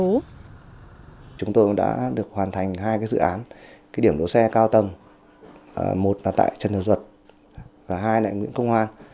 ubnd tp hà nội đã hoàn thành hai dự án điểm đỗ xe cao tầng một là tại trần hợp duật và hai là tại nguyễn công hoa